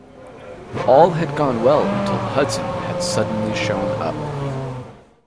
All had gone well until Hudson had suddenly shown up.